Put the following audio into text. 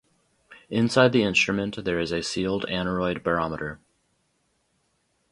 Inside the instrument, there is a sealed aneroid barometer.